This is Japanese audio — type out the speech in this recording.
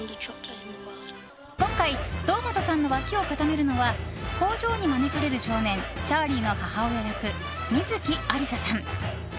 今回、堂本さんの脇を固めるのは工場に招かれる少年チャーリーの母親役、観月ありささん。